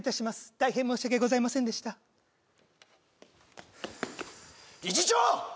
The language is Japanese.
大変申し訳ございませんでした理事長！